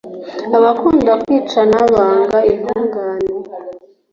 abakunda kwicana banga intungane,